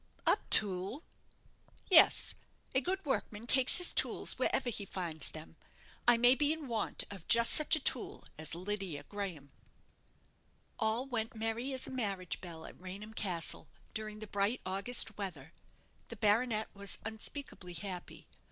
"A tool?" "Yes; a good workman takes his tools wherever he finds them. I may be in want of just such a tool as Lydia Graham." All went merry as a marriage bell at Raynham Castle during the bright August weather. The baronet was unspeakably happy.